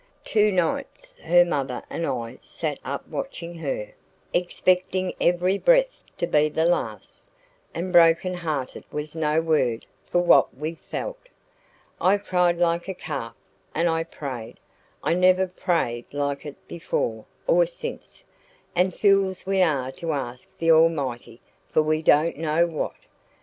Two nights her mother and I sat up watching her, expecting every breath to be the last, and broken hearted was no word for what we felt. I cried like a calf, and I prayed I never prayed like it before or since and fools we are to ask the Almighty for we don't know what!